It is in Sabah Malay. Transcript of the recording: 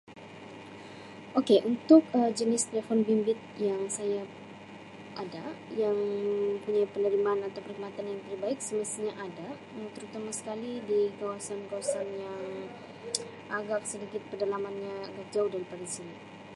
Ok untuk jenis Um telefon bimbit yang saya ada yang mempunyai penerimaan atau perkhidmatan yang lebih baik semestinya ada yang terutama sekali di kawasan kawasan yang agak sedikit pedalaman nya jauh daripada sini.